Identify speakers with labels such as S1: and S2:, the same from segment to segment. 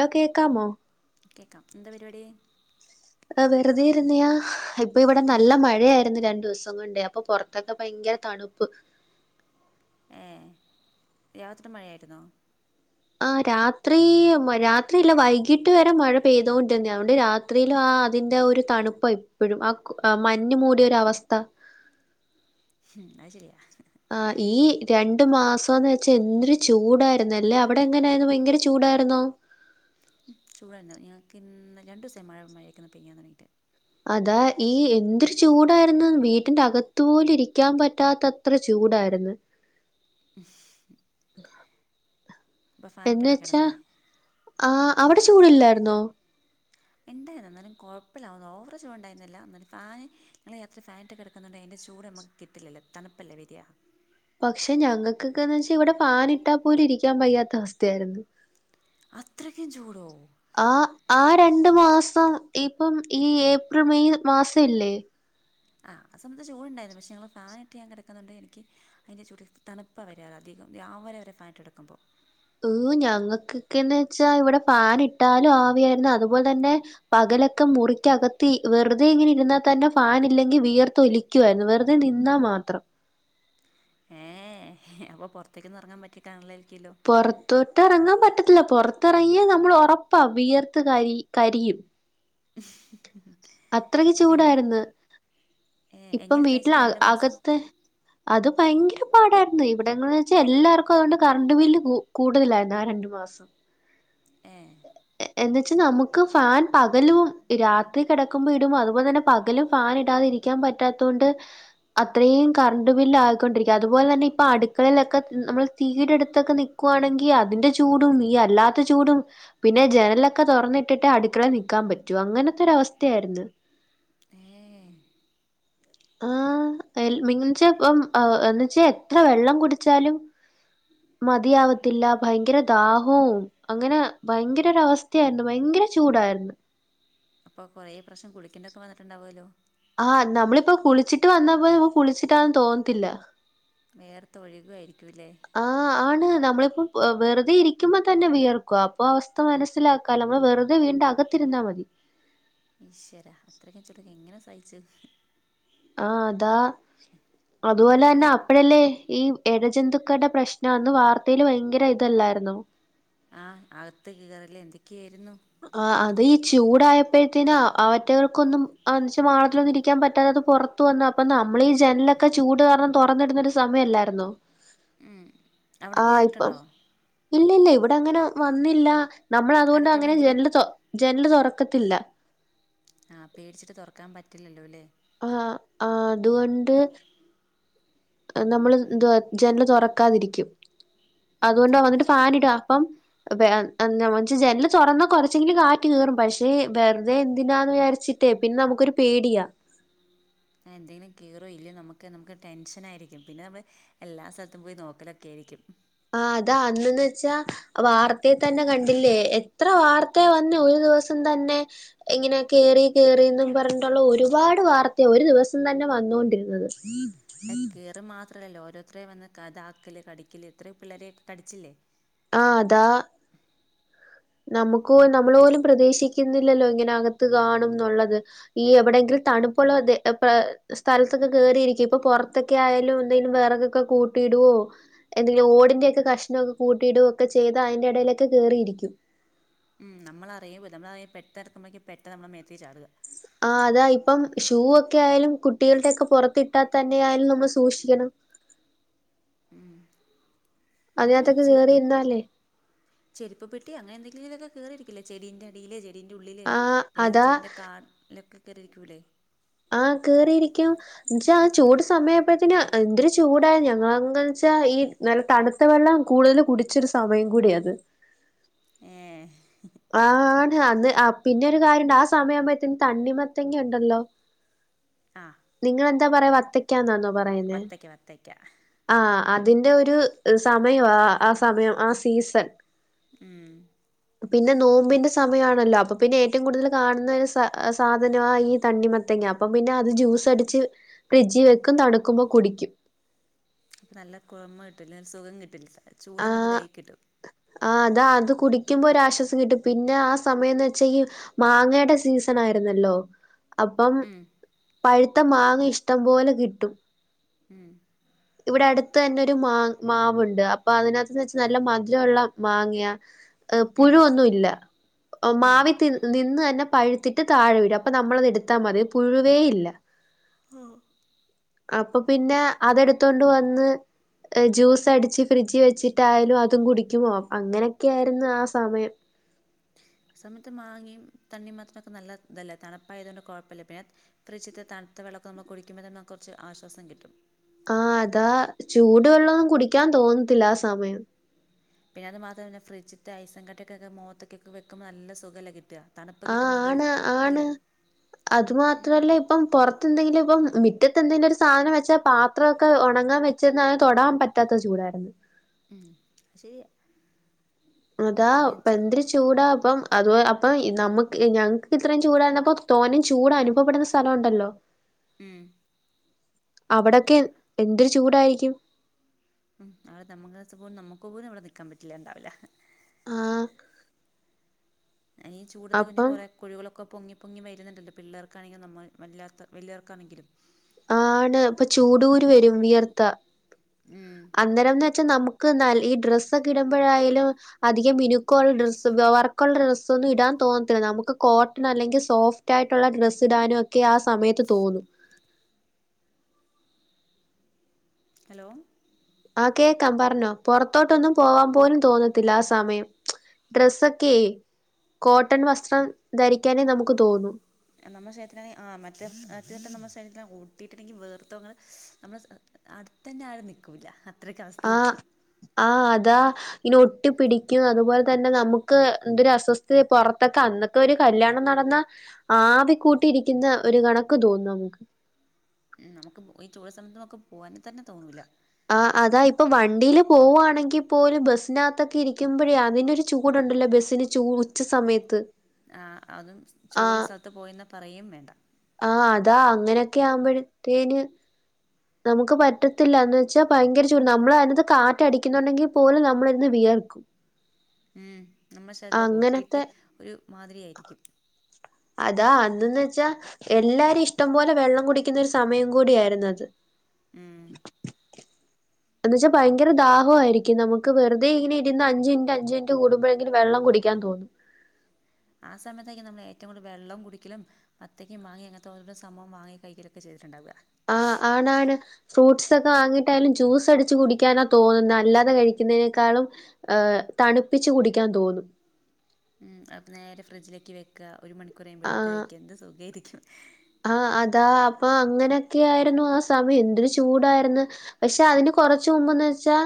S1: Law കേക്കാമോ?
S2: കേക്കാം. എന്താ പരിപാടി?
S1: അഹ് വെറുതേയിരുന്നെയാ. ഇപ്പൊ ഇവിടെ
S2: ഉം.
S1: നല്ല മഴയായിരുന്നു രണ്ടൂസ് സം കൊണ്ടേ. അപ്പൊ പുറത്തൊക്കെ ഭയങ്കര തണുപ്പ്.
S2: ഏഹ് രാത്രി മഴായ്ര്ന്നോ?
S1: ആഹ് രാത്രീ മ രാത്രിയില്ല വൈകിട്ട് വരെ മഴ പെയ്തോണ്ടിര്ന്നെയാ. അതോണ്ട് രാ ത്രീലാ ആ അതിന്റെ ഒരു തണുപ്പ ഇപ്പഴും ആ ക് മഞ്ഞ് മൂടിയൊരവസ്ഥ.
S2: ഉം അഹ് ശെരിയാ.
S1: ആഹ് ഈ രണ്ടു മാസംന്ന് വെച്ചാ എന്തൊരു ചൂടായിര്ന്നല്ലേ. അവിടെ എങ്ങനായ്രുന്നു ഭയങ്കര ചൂടായിരുന്നോ?
S2: ചൂടായിന്നു ഞങ്ങക്കിന്ന് രണ്ടൂസായി മഴ മര്യായക്കൊന്ന് പെയ്യാൻ തൊട്ങ്ങീട്ട്
S1: അതാ ഈ എന്തൊരു ചൂടായിരുന്നു വീട്ടിന്റെ അക ത്തൂ പോലു ഇരിക്ക്യാൻ പറ്റാത്തത്ര ചൂടായിരുന്ന്.
S2: ശഫ് ഇപ്പോൾ
S1: എന്ന്
S2: ഫാനിട്ടാണോ
S1: വെച്ചാ
S2: കിടന്നേ
S1: ആ അവിടെ ചൂടില്ലായിരുന്നോ?
S2: ഇണ്ടായീന്നു. എന്നാലും കൊഴപ്പല്ല ഓവറ് ചൂടുണ്ടായിന്നില്ല. എന്നാലും ഫാന് ഞങ്ങള് രാത്രി ഫാനിട്ട് കെടക്കുന്നോണ്ടെ അയ്ൻ്റെ ചൂട് നമ കിട്ടില്ലല്ലോ തണുപ്പല്ലേ വരാ.
S1: പക്ഷെ ഞങ്ങക്കൊക്കെ ന്ന് വെച്ചാ ഇവിടെ ഫാനിട്ടാ പോലും ഇരിക്ക്യാൻ വയ്യാത്ത അവസ്ഥയായിരുന്ന്.
S2: അത്രയ്ക്കും ചൂടോ?
S1: ആ ആ രണ്ടു മാസം ഇപ്പം ഈ ഏപ്രിൽ മെയ് മാസം ഇല്ലേ?
S2: ആഹ്. ആ സമത്ത് ചൂടുണ്ടായ്രുന്നു പക്ഷെ ഞങ്ങള് ഫാനിട്ട് ഞാൻ കിടക്കുന്നോണ്ട് എനിക്ക് അതിൻ്റെ ചോട്ടിൽ തണുപ്പാ വരാ അധികം രാവിലവരെ ഫാന്ട്ട് കെടക്കുമ്പോ.
S1: ഏഹ് ഞങ്ങക്കൊക്കെന്ന് വെച്ചാ ഇവിടെ ഫാനിട്ടാലും ആവിയായ്ര്ന്നു. അതുപോലെ തന്നെ പകലൊക്കെ മുറിക്കകത്തി വെറുതെയിങ്ങനെ ഇരുന്നാ തന്നെ ഫാനില്ലെങ്കി വിയർതൊലി ക്ക്യുവായ്രുന്നു. വെറുതെ നിന്നാ മാത്രം.
S2: ഏഹെ. അപ്പോ പൊറത്തേക്കൊന്നും എറങ്ങാൻ പറ്റി കാണില്ലായ്രിക്കില്ലോ.
S1: പൊറത്തോട്ടെറങ്ങാൻ പറ്റത്തില്ല പൊർത്തെർങ്ങിയാ നമ്മള് ഒറപ്പാ വിയർത്ത് കരി കരിയും.
S2: [unintelligible] [inaudible]
S1: അത്രയ്ക്ക് ചൂടായിര്ന്ന്.
S2: ഏഹ്. എങ്ങനെ സയിച്ച് രണ്ട് മാസം?
S1: അകത്ത് അത് ഭയങ്കര പാടായ്ര്ന്ന്. ഇവിടെങ്ങ് വെച്ചാ എല്ലാർക്കും അതോണ്ട് കറണ്ട് ബില്ല് കു കൂടുതലായിരുന്നു ആ ര ണ്ട് മാസം.
S2: ഏഹ്.
S1: എ എന്ന് വെച്ച് നമുക്ക് ഫാൻ പകലും രാത്രി കെടക്കുമ്പോ ഇടും അതുപോലെ തന്നെ പകലും ഫാനിടാതിരി ക്ക്യാൻ പറ്റാത്തോണ്ട് അത്രീം കറണ്ട് ബില്ലായിക്കൊണ്ടിരിക്ക്യ. അതുപോലെ തന്നെ ഇപ്പ അടുക്കളേലൊക്കെ നമ്മൾ തീയ്ടെ അടുത്തൊക്കെ നി ക്കുവാണെങ്കി അതിന്റെ ചൂടും ഈ അല്ലാത്ത ചൂടും, പിന്നെ ജനലൊക്കെ തൊറന്നിട്ടിട്ട് അടുക്കളെ നിക്കാൻ പറ്റൂ. അങ്ങനെത്തൊരവസ്ഥയായിരുന്ന്.
S2: ഏഹെ.
S1: ആഹ് എൽമിൻ ജ പ്പം ഏഹ് എന്ന് വെച്ചാ എത്ര വെള്ളം കുടിച്ചാലും
S2: [unintelligible]
S1: മതിയാവത്തില്ല ഭയങ്കര ദാഹവും അങ്ങനെ ഭയങ്കരൊരവസ്ഥയായിരുന്നു ഭയങ്കര ചൂടായിരുന്നു
S2: അപ്പൊ കുറെ പ്രാവശ്യം കുളിക്കണ്ടൊക്കെ വന്നിട്ട്ണ്ടാവോലോ?
S1: ആഹ് നമ്മളിപ്പൊ കുളിച്ചിട്ട് വന്നപ്പോലുംനമുക്ക് കുളിച്ചിട്ടാന്ന് തോന്നത്തില്ല
S2: വേയർത്ത് ഒഴുകായിരിക്കൂല്ലേ
S1: ആഹ് ആണ് നമ്മളിപ്പം വെറുതെ ഇരിക്കുമ്പോ തന്നെ വിയർക്കുവാ അപ്പോ അവസ്ഥ മനസ്സിലാക്കാല്ലൊ നമ്മൾ വെറുതെ വീടിൻ്റക ത്തിരുന്നാ മതി
S2: ഈശ്വരാ അത്രയ്ക്ക് ചുടൊക്കെ എങ്ങനെ സഹിച്ചു
S1: ആഹ് അതാ അതുപോലെ
S2: ഇവിടെ
S1: തന്നെ
S2: പിന്നെ
S1: അപ്പഴല്ലേ ഈ എഴജന്തുക്കളുടെ പ്രശ്നം അന്ന് വാർത്തേല് ഭയങ്കര ഇതല്ലായിരുന്നോ
S2: ആഹ് ആകത്ത് കേറല് എന്തൊക്കേര്ന്നു
S1: ആ അതീ ചൂടായപ്പോഴത്തേന് അവറ്റകൾക്കൊന്നും മാളത്തിലൊന്നും ഇരിക്കാൻ പറ്റാതത് പുറ ത്ത് വന്നു അപ്പ നമ്മളീ ജനലൊക്കെ ചൂട് കാരണം തുറന്നിടുന്നൊരു സമയല്ലായിര്ന്നോ
S2: ഉം
S1: ആഹ് ഇപ്പം ഇല്ലില്ല ഇവിടെ അങ്ങനെ വന്നില്ല നമ്മളതുകൊണ്ടാ
S2: അടുത്തെവിടെയെങ്കിലും
S1: തൊ ജനല് തൊറക്കത്തില്ല
S2: ആഹ് പേടിച്ചിട്ട് തൊറക്കാൻ പറ്റില്ലല്ലോല്ലേ
S1: ആഹ് ആ അതുകൊണ്ട് നമ്മള് എന്തുവാ ജനല് തൊറക്കാതിരിക്കും അത്കൊണ്ടാ വന്നിട്ട്
S2: പക്ഷെ
S1: ഫാനിടും അപ്പം ജനല് തുറന്നാ കൊറച്ചെങ്കിലും കാറ്റ് കേറും പക്ഷെ വെറ്തെ എന്തിനാന്ന് വിചാരിച്ച് ട്ടെ പിന്ന നമുക്കൊരു പേടിയാ
S2: [inaudible] എന്തെങ്കിലും കേറോ ഇല്ലേ നമുക്ക് നമുക്ക് ടെൻഷനായിരിക്കും പിന്നെ നമ്മൾ എല്ലാ സ്ഥലത്തും പോയി നോക്കലൊക്കെ ആയിരിക്കും
S1: ആഹ് അതാ അന്നെന്ന് വെച്ചാ വാർത്തേ തന്നെ കണ്ടില്ലേ എത്ര വാർത്തയാ വന്നേ ഒരു ദിവസം തന്നെ ഇങ്ങനെ കേറി കേറിന്നും പറഞ്ഞിട്ടുള്ള ഒരുപാട് വാർത്തയ ഒരു ദിവസം തന്നെ വന്നോണ്ടിരുന്നത്
S2: അ കേറ്ക മാത്രല്ലല്ലോ ഓരോരുത്തരയും വന്ന് കതാക്കല് കടിക്കല് ഇത്രയും പിള്ളേരെ കടിച്ചില്ലേ
S1: ആഹ് അതാ നമ്മുക്കൊ നമ്മള് പോലും പ്രതീഷിക്കിന്നില്ലല്ലോ ഇങ്ങനെ അകത്ത് കാണുംന്നുള്ളത് ഈ എവിടെയെങ്കിലും തണുപ്പുള്ള പ്ര സ്ഥലത്തൊക്കെ കേയറിയിരിക്കും ഇപ്പൊ പുറത്ത് ക്കെ ആയാലും എന്തേലും വെറകൊക്കെ കൂട്ടിടുവോ എന്തെങ്കിലും ഓടിന്റെ ഒക്കെ കഷ്ണം ഒക്കെ കൂട്ടിടോ ഒക്കെ ചെയിതാ അയിന്റെ എടേലൊക്കെ കേറിയിരിക്കും
S2: ഉം നമ്മളറിയുമോ നമ്മളയി പെട്ടെന്നെട്ക്കുമ്പോഴേക്ക് പെട്ടന്നാ നമ്മളെ മേത്തേക് ചാട്ക
S1: ആഹ് അതാ ഇപ്പം ഷൂ ഒക്കെ ആയാലും കുട്ടികളുടൊക്കെ പുറത്തിട്ടാ തന്നെയായാലും നമ്മള് സൂക്ഷിക്കണം
S2: ഉം പിന്നെ
S1: അതിനകത്തൊക്കെ
S2: [unintelligible]
S1: കേറിയിരുന്നാലേ
S2: ചെരുപ്പ്പ്പെട്ടി അങ്ങനെന്തെങ്കിലുക്കെങ്ങനെ കേറിയിരിക്കില്ലേ ചെടിന്റെഅടീല് ചെ ടിന്റെ ഉള്ളില്
S1: ആഹ്
S2: പിന്നെ ഇ
S1: അതാ
S2: ചെടിന്റെ കാ അടിലൊക്കെ കേറിരിക്കൂല്ലേ
S1: ആഹ് കേറിയിരിക്കും എന്നച്ചാ ആ ചൂട് സമയപ്പോഴത്തിന് എന്തൊരു ചൂടാ ഞങ്ങളങ്ങൻച്ചാ ഈ നല്ല തണുത്ത വെള്ളം കൂടുതൽ കുടിച്ചൊരു സമയം കൂടിയാത്
S2: ഏഹ്
S1: ആണ് അന്ന് അപിന്നെ ഒരു കാര്യണ്ട് ആ സമയാമ്പോത്തേന് തണ്ണി മത്തങ്ങ ഉണ്ടല്ലോ
S2: ആഹ്
S1: നിങ്ങളെന്താ പറയാ വത്തക്കാന്നാന്നോ പറയുന്നെ
S2: വത്തയ്ക്ക വത്തയ്ക്ക
S1: ആഹ് അതിന്റെ ഒരു സമയവാ ആ സമയം ആ സീസൺ
S2: ഉം
S1: പിന്നെ നോമ്പിന്റെ സമയാണല്ലോ. അപ്പൊ പിന്നെ ഏറ്റവും കൂടുതല് കാണുന്ന ഒരു സ സാധനാ ഈ തണ്ണിമത്തങ്ങ. അപ്പം പിന്നെ അത് ജ്യൂസ് അടിച്ച് ഫ്രിഡ്ജിൽ വെക്കും. തണുക്കുമ്പൊകുടിക്കും.
S2: അപ്പ നല്ല കുഴമ കിട്ടില്ലെ. സുഖം കിട്ടില്ല ചൂടങ്ങട്ട് ഇതായ് കിട്ടും.
S1: ആ അതാ അത് കുടിക്കുമ്പൊ ഒരാശ്വാസം കിട്ടും. പിന്നെ ആ സമയന്ന് വെച്ചാ ഈ മാങ്ങയുടെ സീസണായിരുന്നല്ലോ അപ്പം.
S2: ഉം
S1: പഴുത്ത മാങ്ങ ഇഷ്ടം പോലെ കിട്ടും.
S2: ഉം
S1: ഇവിടെ അടുത്ത് തന്നെ ഒരു മാ മാവുണ്ട്. അപ്പൊ അതിനകത്ത് വെച്ച് നല്ല മധുര ഉള്ള മാങ്ങയാ.
S2: ഉം
S1: പുഴു ഒന്നു ഇല്ല.
S2: ഉം
S1: മാവി തി നിന്ന്അന്നെ പഴുത്തിട്ട് താഴെ വരും. അപ്പൊ നമ്മളത് ഇടുത്താ മതി. പുഴുവേ ഇല്ല.
S2: ആഹ്
S1: അപ്പം പിന്നെ അതെടുത്തോണ്ട് വന്ന്. ജൂസ്സടിച്ച് ഫ്രിഡ്ജ് വെച്ചിട്ടായാലും അതും കുടിക്കും. അങ്ങനെയൊക്കെയായിരുന്നു ആ സമയം.
S2: സമയത്ത് മാങ്ങയും തണ്ണിമത്തനൊക്കെ നല്ല ഇതല്ലെ. തണുപ്പായത് കൊണ്ട് കൊഴപ്പല്ല പിന്നെ. ഫ്രിജ്ത്തെ തണുത്ത വെള്ളൊക്കെ നമ്മുക്ക് കുടിക്കുമ്പതന്നെ കൊറച്ച് ആശ്വാസം കിട്ടും.
S1: ആഹ് അതാ ചൂട് വെള്ളവൊന്നും കുടിക്കാൻ തോന്നത്തില്ല ആ സമയം.
S2: പിന്നെ അതു മാത്രല്ല. ഫ്രഡ്ജിത്തെ ഐസും കട്ടൊക്കെക്കെ മോത്ത്ക്ക് വെക്കുമ്പം നല്ല സുഖല്ലെ കിട്ട. തണുപ്പ്
S1: ആ
S2: കിട്ടുമ്പം അതൊരു
S1: ആണ് ആണ്
S2: ഇതല്ലെ.
S1: അത് മാത്രല്ല. ഇപ്പം പൊറത്ത് എന്തെങ്കിലും ഇപ്പം മിറ്റത്തെ എന്തെങ്കിലും ഒരു സാധനം വെച്ചാ പാ ത്രക്കെ ഒണങ്ങാൻ വെച്ചിര്ന്നാൽ തൊടാൻ പറ്റാത്ത ചൂടായിരുന്നു.
S2: ഉം അ ശെരി
S1: അതാ പന്ത്രി ചൂടാ അപ്പം അ അപ്പൊ നമുക്ക് ഞങ്ങക്ക് ഇത്രയും ചൂടായിരുന്നപ്പോ തോനിം ചൂട് അനുഭവപ്പെടുന്ന സ്ഥലം ഉണ്ടല്ലോ.
S2: ഉം
S1: അവിടൊക്കെ എന്തൊരു ചൂടായിരിക്കും.
S2: ഉം അവിടെ തമ് [unintelligible] പോലും നമുക്ക് പോലും അവിടെ നിക്കാൻ പറ്റില്ലണ്ടാവില്ല.
S1: ആഹ്
S2: ഈ ചൂടത്ത് പിന്നെ
S1: അപ്പം
S2: കൊറേ കുഴികളൊക്കെ പൊങ്ങി പൊങ്ങി വരുന്നുണ്ടല്ലോ. പിള്ളേർക്കാണങ്കിലും നമ്മൾ വല്ലാത്ത വലിയവർക്കാണെങ്കിലും.
S1: ആണ് ഇപ്പൊ ചൂടൂ ക്കുരു വെരും. വിയർത്ത
S2: ഉം
S1: അന്നേരംന്ന് വെച്ചാ നമുക്ക് ന ഈ ഡ്രസൊക്കെ ഇടുമ്പോഴാലും അതി. ഈ മിനുക്കോൾ ഡ്രസ്സ് വർക്കുള്ള ഡ്രസ്സൊന്നും ഇടാൻ തോന്നത്ത്ല്ല. നമുക്ക് കോട്ടൺ അല്ലെങ്കിൽ സോഫ് തറ്റായിട്ടുള്ള ഡ്രസ്സ് ഇടാനും ഒക്കെ ആ സമയത്ത് തോന്നും.
S2: ഹലോ
S1: ആ കേക്കാം. പറ്ഞ്ഞോ. പൊറത്തോട്ടൊന്നും പോവാൻ പോലും തോന്നത്തില്ല ആ സമയം. ഡ്രസ്സൊക്കെ കോട്ടൺ വസ്ത്രം ധരിക്കാനേ നമുക്ക് തോന്നും.
S2: നമ്മടെ ശരീരത്തിനാണെിൽ ആ മറ്റെ അ മറ്റെ നമ്മുടെ ശരീരത്തിന് ഒട്ടിയിട്ടുണ്ടെങ്കി വേർത്തും അങ്ങൾ നമ്മൾ [unintelligible] തന്നെ ആൾ നിൽക്കൂല.
S1: ആഹ് ആഹ് അതാ ഇനി ഒട്ടി പിടിക്ക്യും. അതുപോലെ തന്നെ നമുക്ക് എന്തൊരു അസ്വസ്ഥതയെ പൊറത്തൊക്കെ അന്ന് ഒരു കല്യാണം നടന്ന ആവി കൂട്ടി ഇരിക്കുന്ന ഒരു കണക്ക് തോന്നുന്നു നമുക്ക്.
S2: നമുക്ക് ഈ [unintelligible] ചോട് സമയത്ത് നമുക്ക് പോകാൻ തന്നെ തോന്നൂല്ല.
S1: ആ അതാ ഇപ്പൊ വണ്ടീല് പോവാണെങ്കി പോലും ബസ്സിനകത്തൊക്കെ ഇരിക്കുമ്പെഴേ അതിന് ഒരു ചൂടുണ്ടല്ലോ ബെസ്സിന്. ചൂ ഉച്ച സമയത്ത്.
S2: ആഹ് അതും ചൂടുള്ള
S1: ആഹ്
S2: സ്ഥലത്ത് പോയ് വെന്ന പറയുകയും വേണ്ട
S1: ആഹ് അതാ അങ്ങനെയൊക്കെ ആവുമ്പഴത്തേനും നമുക്ക് പറ്റത്തില്ല എന്ന് വെച്ചാ ഭയങ്കര ചൂട് നമ്മള് അതിനാത്ത് കാറ്റ് അടിക്കുന്നുണ്ടെങ്കി അതു പോലെ നമ്മളിന്ന് വിയർക്കും
S2: ഉം നമ്മളെ ശരീരെല്ലാം
S1: അങ്ങനത്തെ
S2: ഒട്ടിയിട്ട് ഒരു മാതിരിയായിരിക്കും
S1: അതാ അന്ന്ന്ന് വെച്ചാ എല്ലാരും ഇഷ്ടം പോലെ വെള്ളം കുടിക്കുന്ന ഒരു സമയം കൂടി ആയിരുന്നു അത്
S2: ഉം
S1: എന്ന് വെച്ച ഭയങ്കര ദാഹവായിരിക്കും നമുക്ക് വെറുതെ ഇങ്ങനെയിര്ന്ന അഞ്ച് മിനിറ്റ് അഞ്ച് മിനിറ്റ് കൂടുമ്പയെങ്കിലും വെള്ളം കുടിക്കാൻ തോന്നും
S2: ആ സമയത്തായിരിക്കും നമ്മള് ഏറ്റവും കൂടുതൽ വെള്ളം കുടിക്കലും വത്തക്കയും മാങ്ങയും അങ്ങനത്തെ ഓരോരോ സംഭംവം വാങ്ങി കഴിക്കലക്കെ ചെയ്തിട്ടുണ്ടാവ
S1: ആഹ് ആണാണ് ഫ്രൂട്ട്സ് ഒക്കെ വാങ്ങിയിട്ടായാലും ജ്യൂസ് അടിച്ച് കുടിക്കാനാ തോന്നുന്നത് അല്ലാതെ കഴിക്കുന്നതിനേക്കാളും ഏഹ് തണുപ്പിച്ച് കുടിക്കാൻ തോന്നും
S2: ഉം അത് നേരെ ഫ്രിഡ്ജിലേക്ക് വയ്ക്ക ഒരു മണിക്കൂർ കഴിയുമ്പോ എടുത്ത്
S1: ആഹ്
S2: കഴിക്ക എന്ത് സുഖായിരിക്കും
S1: ആഹ് അതാ അപ്പൊ അങ്ങനൊക്കെ ആയിരുന്നു ആ സമയം എന്തൊരു ചൂടായിരുന്നു പക്ഷെ അതിന് കൊറച്ച് മുമ്പെന്ന് വെച്ചാ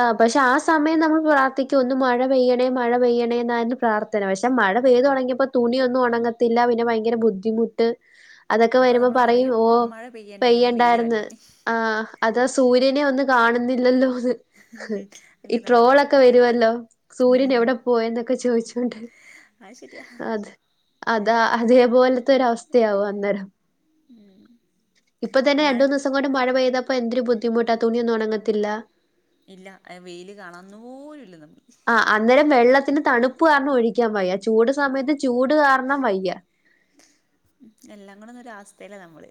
S1: ആഹ് പക്ഷെ ആ സമയം നമ്മള് പ്രാർത്ഥിക്കും ഒന്ന് മഴ പെയ്യണേ മഴ പെയ്യണേ എന്നായിരുന്നു പ്രാർത്ഥന പക്ഷെ മഴ പെയ്തു തൊടങ്ങിയപ്പോ തുണിയൊന്നും ഒണങ്ങത്തില്ല പിന്നെ ഭയങ്കര ബുദ്ധിമുട്ട് അതക്കെ
S2: അപ്പോൾ
S1: വരുമ്പോ
S2: നമ്മൾ
S1: പറയും ഓഹ്
S2: മഴ പെയ്യണ്ടായിരുന്നു വെയില്
S1: പെയ്യണ്ടായിര്ന്ന്
S2: വരണം
S1: ആഹ് അതാ സൂര്യനെയൊന്ന് കാണുന്നില്ലല്ലോന്ന്
S2: ഉം
S1: ഈ ട്രോളൊക്കെ വരുവല്ലോ
S2: ഉം
S1: സൂര്യൻ എവിടെ പോയെന്നൊക്കെ ചോയ്ച്ചോണ്ട്
S2: അഹ് ശരിയാ
S1: അത് അതാ അതേ പോലത്തൊരു അവസ്ഥ യാവും അന്നേരം ഇപ്പത്തന്നെ
S2: മഴ
S1: രണ്ടൂന്നൂസം കൂടെ മഴ പെയതപ്പോ എന്തൊരു ബുദ്ധിമുട്ടാ തുണിയൊന്നും ഒന്നങ്ങത്തില്ല
S2: ഇല്ല വെയില് കണന്ന് പോലുല്ലെന്ന് നമ്മള്
S1: ആഹ് അന്നേരം വെള്ളത്തിന് തണുപ്പ് കാരണം ഒഴിക്കാൻ വയ്യ ചൂട് സമയത്ത് ചൂട് കാരണം വയ്യ
S2: ഉം എല്ലാം കൂടെ ഒരു അവസ്ഥയില നമ്മള്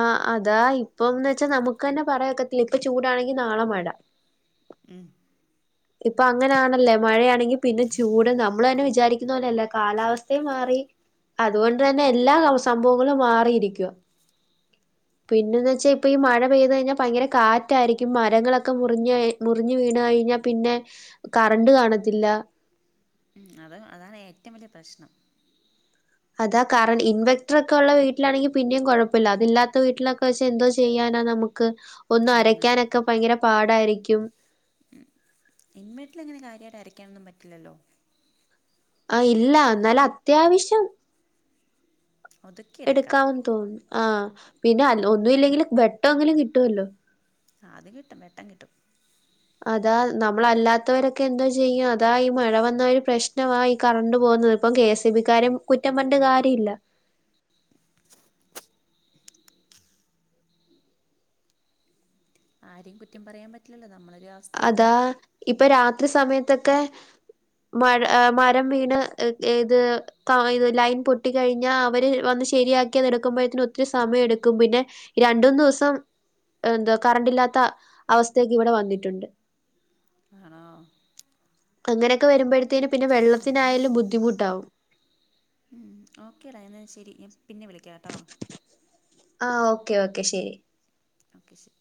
S1: ആഹ് അതാ ഇപ്പംന്ന് വെച്ചാ നമുക്ക് തന്നെ പറയാ ഒക്കത്തില്ല ഇപ്പ ചൂടാണെങ്കി നാളെ മഴ
S2: ഉം
S1: ഇപ്പൊ അങ്ങനെയാണല്ലേ മഴയാണെങ്കി പിന്നെ ചൂട് നമ്മള് തന്നെ വിചാരിക്കുന്ന പോലെയല്ല കാലാവസ്ഥയും മാറി അതുകൊണ്ട് തന്നെ എല്ലാ സംഭവങ്ങളും മാറിയിരിക്കുവ പിന്നെന്ന് വെച്ചാ ഇപ്പ ഈ മഴ പെയ്ത് കഴിഞ്ഞാ ഭയങ്കര കാറ്റായിരിക്കും മരങ്ങളൊക്കെ മുറി മുറിഞ്ഞ് വീണ് കഴിഞ്ഞാ പിന്നെ കറണ്ട് കാണത്തില്ല
S2: അത് അതാണ് ഏറ്റവും വല്ല്യ പ്രശ്നം
S1: അതാ കറണ്ട് ഇൻവെക്ടർ ഒക്കെ ഒള്ള വീട്ടിലാണെങ്കി പിന്നെയും കൊഴപ്പയില്ല അതില്ലാത്ത വീട്ടിലൊക്കെ വെച്ച് എന്തോ ചെയ്യാനാ നമു- ക്ക് ഒന്ന് അരക്കാനൊക്കെ ഭയങ്കര പാടായിരിക്കും
S2: ഇൻവെക്ട്ടിലങ്ങനെ കാര്യായിട്ട് അരയ്ക്കാനൊന്നും പറ്റില്ലല്ലോ?
S1: ആഹ് ഇല്ല എന്നാലും അത്യാവിശ്യം
S2: ഒതുക്കിയെടുക്കാം
S1: എടുക്കാമെന്ന് തോന്നുന്നു ആ പിന്നെ ഒന്നും ഇല്ലെങ്കിലും വെട്ടംമെങ്കിലും കിട്ടുവല്ലോ
S2: അത് കിട്ടും വെട്ടം കിട്ടും
S1: അതാ നമ്മളെല്ലാത്തവരൊക്കെ എന്തോ ചെയ്യും അതാ ഈ മഴ വന്ന ഒരു പ്രശ്നവാ ഈ കറണ്ട് പോകുന്നത് ഇപ്പം കെ എസ് ഇ ബിക്കാരേം കുറ്റം പറഞിട്ട് കാര്യയില്ല
S2: ആരെയും കുറ്റം പറയാൻ പറ്റില്ലല്ലോ നമ്മളൊരു അവസ്ഥയല്ലേ
S1: അതാ ഇപ്പൊ രാത്രി സമയത്തൊക്കെ മഴ മരം വീണ് ഇഏത് ഇത് ലൈൻ പൊട്ടി കഴിഞ്ഞാ അവര് വന്ന് ശരിയാക്കിത് എടുക്കുമ്പോഴത്തിന് ഒത്തിരി സമയം എടുക്കും പിന്നെ രണ്ടൂന്ന് ദിവസം എന്താ കറണ്ട് ഇല്ലാത്ത അവസ്ഥയക്ക് ഇവിടെ വന്നിട്ടുണ്ട്
S2: ആണോ
S1: അങ്ങനെയൊക്കെ വരുമ്പോഴത്തേും പിന്നെ വെള്ളത്തിനായാലും ബുദ്ധിമുട്ടാവും
S2: ഓക്കെടാ എന്നാൽ ശരി ഞൻ പിന്നെ വിളിക്കാം കേട്ടോ
S1: ആ ഓക്കേ ഓക്കെ ശരി
S2: ഓക്കെ ശരി